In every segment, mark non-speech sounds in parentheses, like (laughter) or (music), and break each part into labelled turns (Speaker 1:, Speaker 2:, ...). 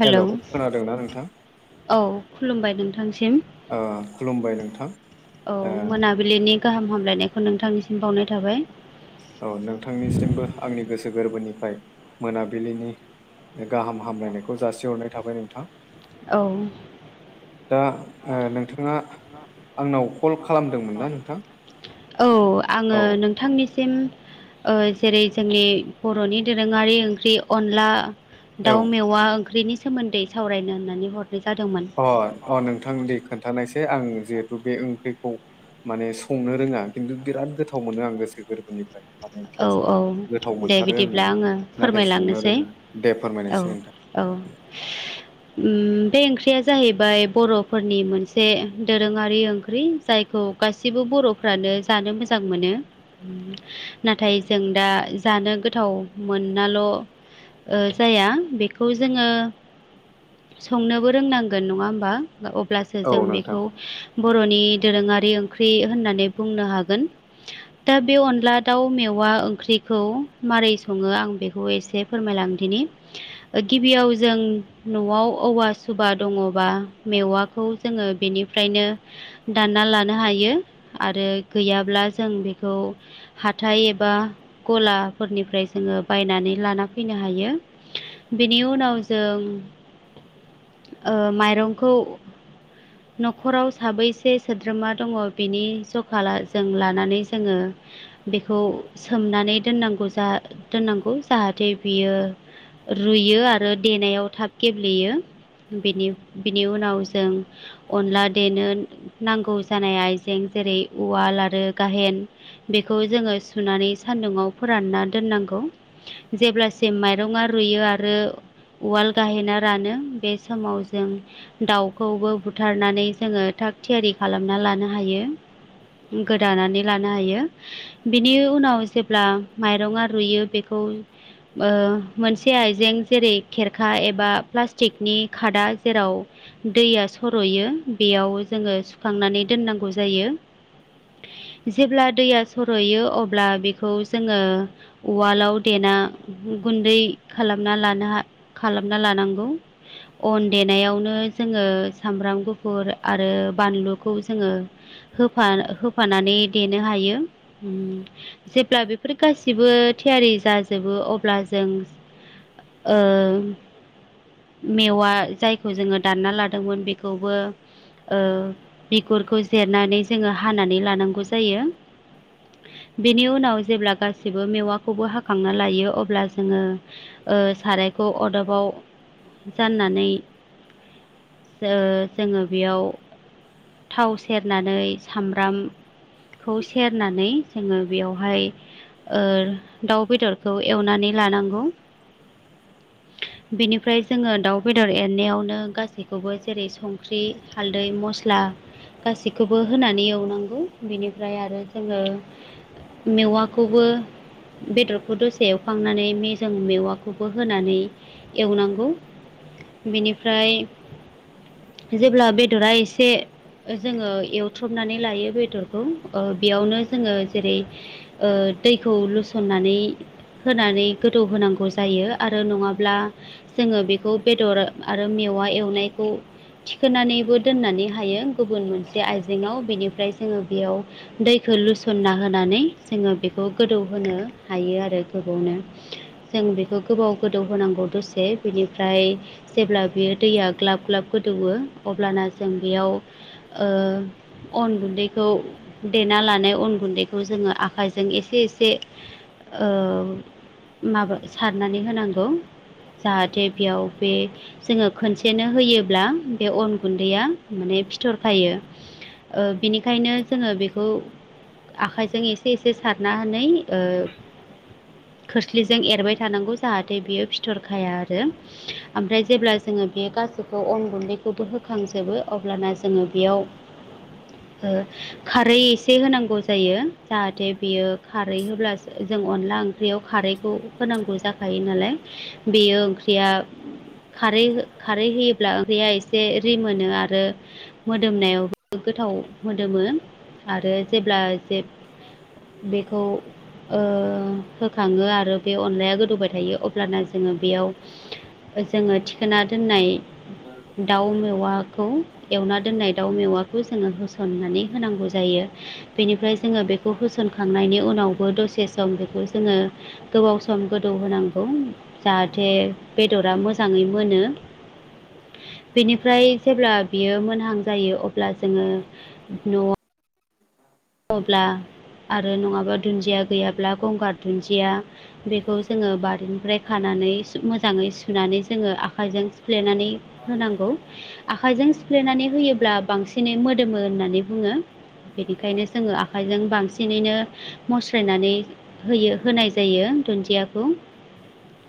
Speaker 1: Hello
Speaker 2: खोनादोंना नोंथां
Speaker 1: औ खुलुमबाय नोंथांसिम।
Speaker 2: ओ खुलुमबाय नोंथां
Speaker 1: औ
Speaker 2: ओ
Speaker 1: मोना बिलिनि गाहाम हामलायनायखौ नोंथांनिसिम बावनाय थाबाय।
Speaker 2: औ नोंथांनिसिमबो आंनि गोसो गोरबोनिफ्राय मोनाबिलिनि गाहाम हामलायनायखौ जासिहरनाय थाबाय नोंथां।
Speaker 1: औ।
Speaker 2: दा आ नोंथाङा आंनाव कल खालामदोंमोन ना नोंथां।
Speaker 1: औ आङो
Speaker 2: औ
Speaker 1: नोंथांनिसिम आ जेरै जोंनि बर'नि दोरोङारि ओंख्रि अनला
Speaker 2: औ
Speaker 1: दाउ मेवा ओंख्रिनि सोमोन्दै सावरायनो होननानै हरनाय जादोंमोन।
Speaker 2: अ अ नोंथां दे खोन्थानायसै आं जिहेथु बे ओंख्रिखौ माने संनो रोङा खिन्थु बिराद गोथाव मोनो आं गोसो गोर्बोनिफ्राय माने
Speaker 1: औ
Speaker 2: टेस्ट
Speaker 1: औ
Speaker 2: गोथाव
Speaker 1: दे
Speaker 2: मोनथारो
Speaker 1: बिदिब्ला
Speaker 2: आङो नाथाय संनो
Speaker 1: फोरमायलांनोसै
Speaker 2: रोङो दे
Speaker 1: औ
Speaker 2: फोरमायनोसै नोंथां।
Speaker 1: औ। उम बे ओंख्रिया जाहैबाय बर'फोरनि मोनसे दोरोङारि ओंख्रि जायखौ गासिबो बर'फ्रानो जानो मोजां मोनो उम नाथाय जों दा जानो गोथाव मोननाल' ओ जाया बेखौ जोङो संनोबो रोंनांगोन नङा होमबा अब्लासो
Speaker 2: औ
Speaker 1: जों
Speaker 2: नोंथां
Speaker 1: बेखौ बर'नि दोरोङारि ओंख्रि होननानै बुंनो हागोन दा बे अनला दाउ मेवा ओंख्रिखौ मारै सङो आं बेखौ एसे फोरमायलांदिनि ओ गिबियाव जों न'आव औवा सुबा दङबा मेवाखौ जोङो बेनिफ्रायनो दानना लानो हायो आरो गैयाब्ला जों बेखौ हाथाइ एबा गलाफोरनिफ्राय जोङो बायनानै लाना फैनो हायो। बेनि उनाव जों ओ माइरंखौ (inaudible) न'खराव साबैसे सोद्रोमा दङ बिनि जखा जों लानानै जोङो बेखौ सोमनानै दोननांगौ जा दोननांगौ जाहाथे बियो रुयो आरो देनायाव थाब गेब्लेयो बिनि बिनि उनाव जों अनला देनो नांगौ जानाय आइजें जेरै उवाल आरो गाहेन खौ जोङो सुनानै सान्दुं आव फोरानना दोननांगौ जेब्लासिम माइरंआ रुयो आरो उवाल गाहेना रानो बे समाव जों दाउखौबो बुथारनानै जोङो थाग थियारि खालामना लानो हायो। गोदानानै लानो हायो। बिनि उनाव जेब्ला माइरंआ रुयो बेखौ ओ मोनसे आइजें जेरै खेरखा एबा प्लास्टिकनि खादा जेराव दैया सर'यो बेयाव जोङो सुखांनानै दोननांगौ जायो। जेब्ला दैया सरहैयो अब्ला बेखौ जोङो उवालाव देना गुन्दै खालामना लानो हा खालामना लानांगौ अन देनायावनो जोङो सामब्राम गुफुर आरो बानलुखौ जोङो होफा होफानानै देनो हायो। उम जेब्ला बेफोर गासिबो थियारि जाजोबो अब्ला जों ओ मेवा जायखौ जोङो दानना लादोंमोन बेखौबो ओ बिगुरखौ जेरनानै जोङो हानानै लानांगौ जायो। बेनि उनाव जेब्ला गासिबो मेवाखौबो हाखांना लायो अब्ला जोङो ओ सारायखौ अदाबाव जाननानै जो जोङो बेयाव थाव सेरनानै सामब्राम सेरनानै जोङो बेयावहाय ओ दाउ बेदरखौ एवनानै लानांगौ। बेनिफ्राय जोङो दाउ बेदर एरनायावनो गासैखौबो जेरै संख्रि हालदै मस्ला गासैखौबो होनानै एवनांगौ बेनिफ्राय आरो जोङो मेवाखौबो बेदरखौ दसे एवखांनानै मेेजं मेवाखौबो होनानै एवनांगौ बेनिफ्राय जेब्ला बेदरा एसे जोङो एवथ्रबनानै लायो बेदरखौ ओ बेयावनो जोङो जेरै ओ दैखौ लुसननानै होनानै गोदौ होनांगौ जायो आरो नङाब्ला जोङो बेखौ बेदर आरो मेवा एवनायखौ थिखोनानैबो दोननानै हायो गुबुन मोनसे आइजेंआव बेनिफ्राय जोङो बेयाव दैखो लुसनना होनानै जोङो बेखौ गोदौ होनो हायो आरो गोबावनो। जों बेखौ गोबाव गोदौ होनांगौ दसे बेनिफ्राय जेब्ला बेयो दैया ग्लाब ग्लाब गोदौओ अब्लाना जों बेयाव ओ अन गुन्दैखौ देना लानाय अन गुन्दैखौ जोङो आखाइजों एसे एसे ओ माबा सारनानै होनांगौ जाहाथे बेयाव बे जोङो खनसेनो होयोब्ला बे अन गुन्दैया माने फिथरखायो। ओ बिनिखायनो जोङो बेखौ खौ आखाइजों एसे एसे सारना नै ओ खोस्लिजों एरबाय थानांगौ जाहाथे बियो फिथरखाया आरो ओमफ्राय जेब्ला जोङो बे गासैखौ अन गुन्दैखौबो होखांजोबो अब्लाना जोङो बेयाव ओ खा खारै एसे होनांगौ जायो जाहाथे बेयो खारै होब्लासो जों अनला ओंख्रियाव खारैखौ होनांगौ जाखायो नालाय बेयो ओंख्रिया खारै खारै होयोब्ला ओंख्रिया एसे रिमोनो आरो मोदोमनायावबो गोथाव मोदोमो आरो जेब्ला जे बेखौ ओ होखाङो आरो बे अनलाया गोदौबाय थायो अब्लाना जोङो बेयाव। जोङो थिखोना दोननाय।
Speaker 2: औ
Speaker 1: दाउ मेवाखौ एवना दोननाय दाउ मेवाखौ जोङो होसननानै होनांगौ। जायो बेनिफ्राय जोङो बेखौ होसनखांनायनि उनावबो दसे सम बेखौ जोङो गोबाव सम गोदौ होनांगौ। जाहाथे बेदरा मोजाङै मोनो। बेनिफ्राय जेब्ला बियो मोनहां जायो अब्ला जोङो न'आव दब्ला आरो नङाब्ला दुन्दिया गैयाब्ला गंगार दुन्दिया बेखौ जोङो बारिनिफ्राय खानानै मोजाङै सुनानै जोङो आखायजों सिफ्लेनानै होनांगौ आख आखायजों सिफ्लेनानै होयोब्ला बांसिनै मोदोमो होननानै बुङो बेनिखायनो। जोङो आखाइजों बांसिनैनो। मस्रायनानै होयो होनाय जायो दुन्दियाखौ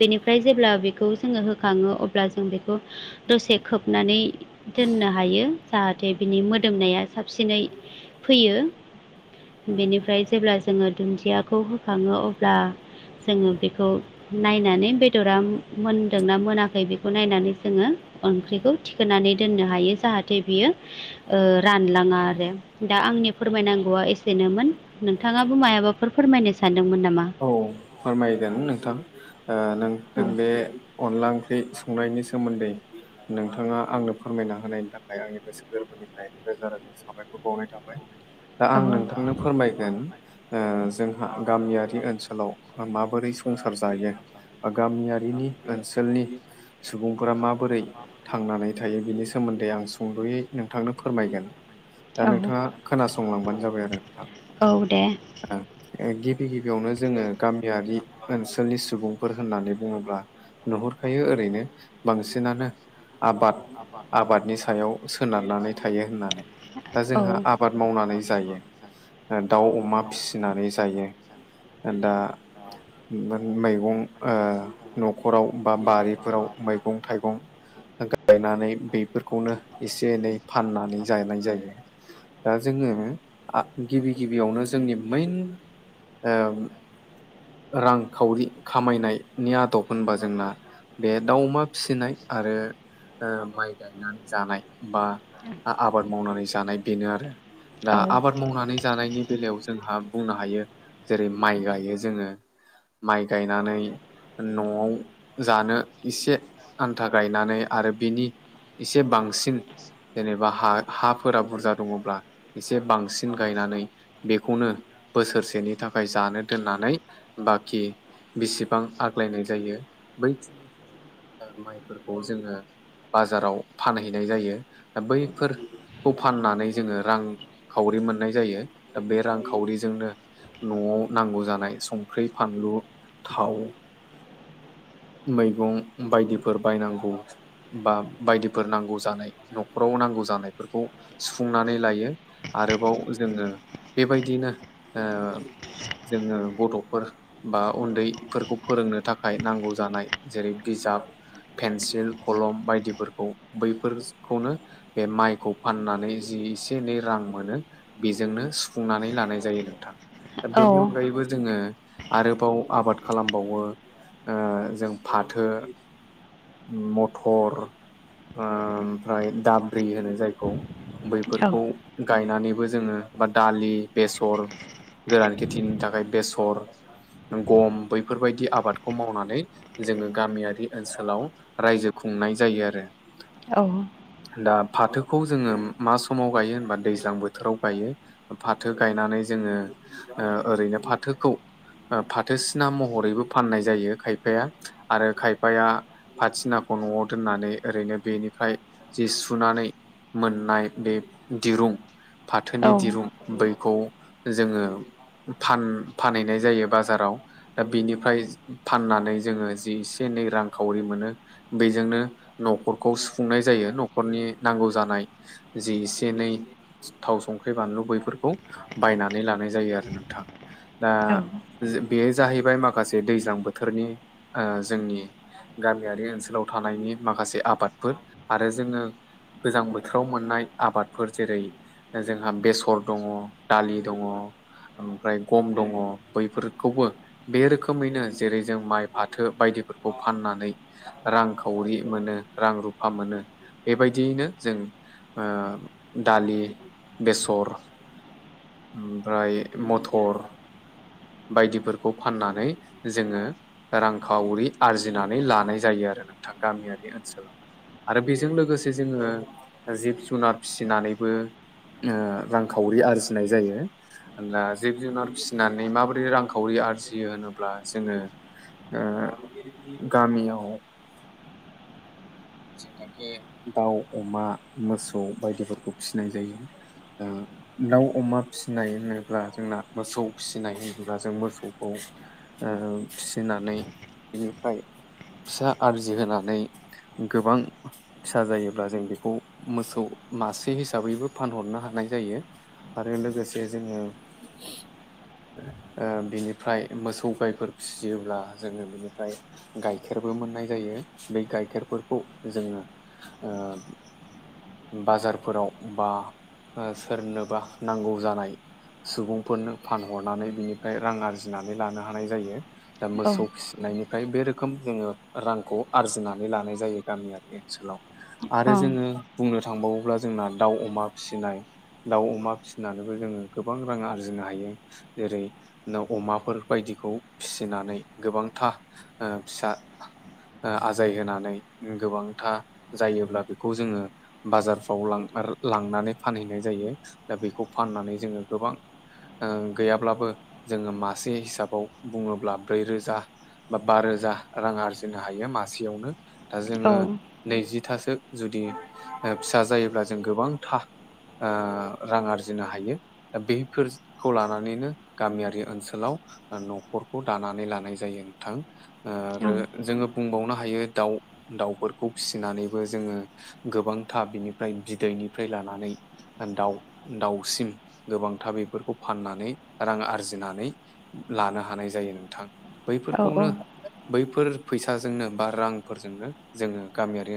Speaker 1: बेनिफ्राय जेब्ला बेखौ जोङो होखाङो अब्ला जों बेखौ दसे खोबनानै दोननो हायो जाहाथे बिनि मोदोमनाया। साबसिनै फैयो। बेनिफ्राय जेब्ला जोङो दुन्दियाखौ होखाङो अब्ला। जोङो बेखौ नायनानै बेदरा मोनदोंना मोनाखै बेखौ नायनानै जोङो। ओंख्रिखौ थिखोनानै दोननो हायो जाहाथे बियो। ओ रानलाङा आरो दा आंनि फोरमायनांगौआ एसेनोमोन नोंथाङाबो मायाबाफोर फोरमायनो सानदोंमोन नामा?
Speaker 2: औ फोरमायगोन नोंथां नों
Speaker 1: औ
Speaker 2: बे अनला ओंख्रि संनायनि सोमोन्दै। नोंथाङा आंनो फोरमायना होनायनि थाखाय आंनि गोसो गोरबोनिफ्राय रोजा रोजा साबायखर बावनाय थाबाय। दा आं नोंथांनो फोरमायगोन जोंहा गामियारि ओनसोलाव माबोरै संसार जायो बा गामियारिनि ओनसोलनि सुबुंफोरा माब बोरै थांनानै थायो बिनि सोमोन्दै आं सुंद'यै नोंथांनो फोरमायगोन। दा नोंथाङा खोनासंलांबानो जाबाय आरो नोंथां।
Speaker 1: औ दा नोंथाङा खोनासंलांबानो थाबाय औ दे
Speaker 2: गिबि गिबियावनो जोङो गामियारि ओनसोलनि सुबुं फोर होननानै बुङोब्ला नुहुरखायो ओरैनो बांसिनानो आबाद आबादनि सायाव सोनारनानै थायो होननानै
Speaker 1: औ
Speaker 2: दा जोंहा
Speaker 1: (inaudible)
Speaker 2: ओ दाउ अमा फिसिनानै जायो। दा मैगं ओ न'खराव बा बारिफोराव मैगं थाइगं गायनानै बे फोरखौनो एसे एनै फाननानै जानाय जायो। दा जोंङो गिबि गिबियावनो जोंनि मेन ओ रांखावरि खामायनायनि आदब होनबा जोंना बे दाउ अमा फिसिनाय आरो ओ माइ गायनानै जानाय बा आबाद मावनानै जानाय बेनो आरो। दा
Speaker 1: औ
Speaker 2: आबाद मावनानै जानायनि बेलायाव जोंहा बुंनो हायो जेरै माइ गायो जोंङो माइ गायनानै न'आव जानो एसे आन्था गायनानै आरो बिनि इसे बांसिन जेनेबा हा-हाफोरा बुरजा दंङोब्ला एसे बांसिन गायनानै बेखौनो बोसोरसेनि थाखाय जानो दोननानै बाकि बेसिबां आग्लायनाय जायो बै माइफोरखौ जोंङो बाजाराव फानहैनाय जायो दा बैफोरखौ फाननानै जोंङो रां खावरि मोननाय जायो बे रांखावरिजोंनो न'आव नांगौ जानाय संख्रै फानलु थाव मैगं बायदिफोर बायनांगौ बा बायदिफोर नांगौ जानाय न'खराव नांगौ जानायफोरखौ सुफुंनानै लायो। आरोबाव जोंङो बेबायदिनो ओ जोंङो गथ' फोर बा उन्दै फोरखौ फोरोंनो थाखाय नांगौ जानाय जेरै बिजाब पेन्सिल कलम बायदिफोरखौ बैफोरखौनो बे माइखौ फाननानै जि एसे एनै रां मोनो बेजोंनो सुफुंनानै लानाय जायो नोंथां
Speaker 1: औ
Speaker 2: बेनि अनगायैबो जोंङो आरोबाव आबाद खालामबावो ओ जों फाथो मथर ओ ओमफ्राय दाब्रि होनो जायखौ
Speaker 1: औ
Speaker 2: बैफोरखौ गायनानैबो जोंङो बा दालि बेसर गोरान खेथिनि थाखाय बेसर गम बैफोरबायदि आबादखौ मावनानै जोंङो गामियारि ओनसोलाव रायजो खुंनाय जायो आरो।
Speaker 1: औ
Speaker 2: दा फाथोखौ जोंङो मा समाव गायो होनबा दैज्लां बोथोराव गायो। फाथो गायनानै जोंङो ओ ओरैनो फाथोखौ ओ फाथोसिना महरैबो फाननाय जायो खायफाया। आरो खायफाया फाथिनाखौ न'आव दोननानै ओरैनो बेनिफ्राय जि सुनानै मोननाय बे दिरुं फाथोनि दिरुं बैखौ जोंङो फान-फानहैनाय जायो बाजाराव दा बिनिफ्राय फाननानै जोंङो जि एसे एनै रांखावरि मोनो बेजोंनो न'खरखौ सुफुंनाय जायो न'खरनि नांगौ जानाय जि एसे एनै थाव संख्रि बानलु बैफोरखौ बायनानै लानाय जायो आरो नोंथां दा बेयो जाहैबाय माखासे दैज्लां बोथोरनि ओ जोंनि गामियारि ओनसोलाव थानायनि माखासे आबादफोर आरो जोंङो गोजां बोथोराव मोननाय आबादफोर जेरै जोंहा बेसर दङ दालि दङ ओमफ्राय गम दङ बैफोरखौबो बे रोखोमैनो जेरै जों माइ फाथो बायदिफोरखौ फाननानै रांखावरि मोनो रां रुफा मोनो बेबायदियैनो जों ओ दालि, बेसर ओमफाय मथर बायदिफोरखौ फाननानै जोङो रांखावरि आरजिनानै लानाय जायो आरो। थां गामियारि ओनसोलाव आरो बेजों लोगोसे जोङो जिब जुनाद फिसिनानैबो ओ रांखावरि आरजिनाय जायो ओमब्ला जिब जुनार फिसिना माबोरै रांखावरि आरजियो होनोब्ला जोङो ओ गामियाव जेनाकि दाउ अमा मोसौ बायदिफोरखौ फिसिनाय जायो ओ दाउ अमा फिसिनाय होनोब्ला जोंना मोसौ फिसिनाय होनोब्ला जों मोसौखौ ओ फिसिनानै बिनिफाय फिसा आरजिहोनानै गोबां फिसा जायोब्ला जों बेखौ मोसौ मासे हिसाबैबो फानहरनो हानाय जायो। आरो लोगोसे जोङो
Speaker 1: (inaudible)
Speaker 2: ओ बिनिफ्राय मोसौ गायफोर फिसियोब्ला जोङो बेनिफाय गाइखेरबो मोननाय जायो बे गाइखेरफोरखौ जोङो ओ बाजारफोराव बा ओ सोरनोबा नांगौ जानाय सुबुंफोरनो फानहरनानै बिनिफ्राय रां आरजिनानै लानो हानाय जायो। दा
Speaker 1: औ
Speaker 2: मोसौ फिसिनायनिफ्राय बे रोखोम जोङो रांखौ आरजिनानै लानाय जायो गामियारि ओनसोलाव आरो जोङो। बुंनो थांबावोब्ला जोंना दाउ अमा फिसिनाय। दाउ अमा फिसिनानैबो जोङो गोबां रां आरजिनो हायो। जेरै न‌ो अमाफोर बायदिखौ फिसिनानै गोबांथा ओ फिसा ओ आजाय होनानै गोबांथा जायोब्ला बेखौ जोङो बाजारफ्राव लां लांनानै फानहैनाय जायो दा बेखौ फाननानै जोङो गोबां ओ गैयाब्लाबो जोङो मासे हिसाबाव बुङोब्ला ब्रै रोजा बा बा रोजा रां आरजिनो हायो मासेयावनो दा जोङो नैजिथासो जुदि फिसा ओ जायोब्ला जों गोबांथा ओ रां आरजिनो हायो। दा बेफोरखौ लानानैनो गामियारि ओनसोलाव नखरखौ दानानै लानाय जायो नोंथां आरो जोङो बुंबावनो हायो। दाउ दाउफोरखौ फिसिनानैबो जोङो गोबांथा बिनिफ्राय बिदैनिफ्राय लानानै दाउ दाउसिम गोबांथा बेफोरखौ फाननानै रां आरजिनानै लानो हानाय जायो नोंथां।
Speaker 1: औ
Speaker 2: बैफोरखौनो बैफोर फैसाजोंनो बा रांफोरजोंनो जोङो गामियारि ओन